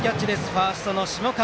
ファーストの下川。